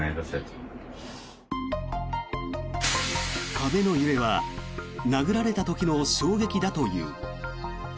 壁の揺れは殴られた時の衝撃だという。